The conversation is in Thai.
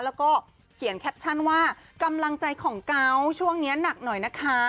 แล้วก็เขียนแคปชั่นว่ากำลังใจของเกาะช่วงนี้หนักหน่อยนะคะ